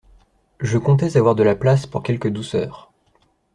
Je comptais avoir de la place pour quelques douceurs.